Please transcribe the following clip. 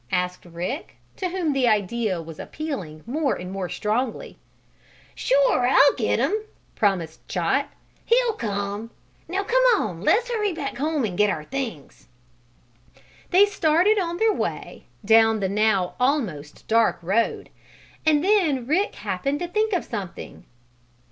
asked Rick, to whom the idea was appealing more and more strongly. "Sure I'll get him!" promised Chot. "He'll come. Now come on! Let's hurry back home and get the things." They started on their way, down the now almost dark road, and then Rick happened to think of something.